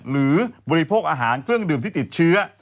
บริโภคอาหารเครื่องดื่มที่ติดเชื้อ